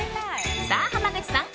さあ、濱口さん